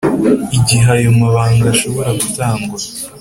igihe ayo mabanga ashobora gutangwa